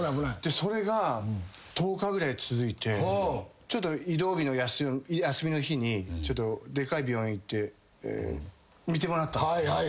それが１０日ぐらい続いて休みの日にちょっとでかい病院行って診てもらった。